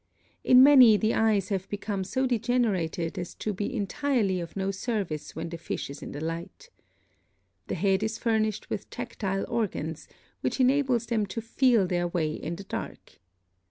In many the eyes have become so degenerated as to be entirely of no service when the fish is in the light. The head is furnished with tactile organs, which enables them to feel their way in the dark.